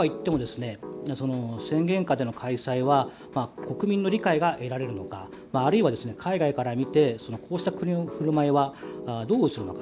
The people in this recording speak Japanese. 宣言下での開催は国民の理解が得られるのかあるいは海外から見てこうした国の振る舞いはどう映るのか。